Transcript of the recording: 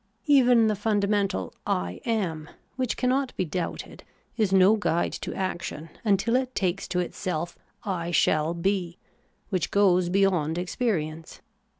Even the fundamental ' I am,' which cannot be doubted, is no guide to action until it takes to itself ' I shall be,' which goes beyond experience.